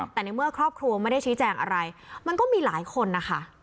แต่ในเมื่อครอบครัวไม่ได้ชี้แจงอะไรมันก็มีหลายคนนะคะ